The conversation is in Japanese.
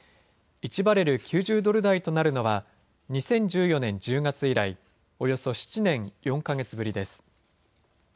１バレル９０ドル台となるのは２０１４年１０月以来、およそ７年４か月ぶりです。